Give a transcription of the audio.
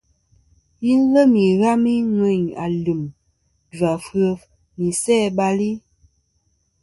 Yi lem ighami ŋweyn alim, jvafef nɨ isæ-bal-i.